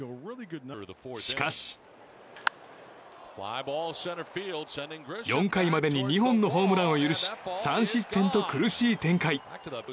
しかし、４回までに２本のホームランを許し３失点と苦しい展開。